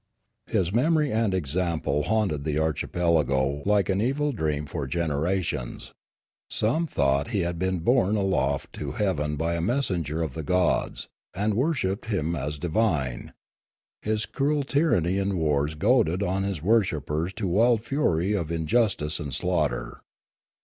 His memory and example haunted the archipelago like an evil dream for generations. Some thought that he had been borne aloft to heaven by a messenger of the gods, and worshipped him as divine; his cruel tyranny and wars goaded on his worshippers to wild fury of injustice and slaughter.